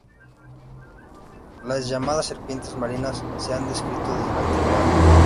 Las llamadas "serpientes marinas" se han descrito desde la antigüedad.